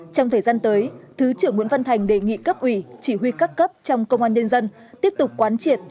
trong thời gian tới thứ trưởng nguyễn văn thành đề nghị cấp ủy chỉ huy các cấp trong công an nhân dân tiếp tục quán triệt